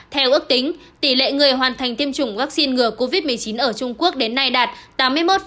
theo ước tính tỷ lệ người hoàn thành tiêm chủng vaccine ngừa covid một mươi chín ở trung quốc đến nay đạt tám mươi một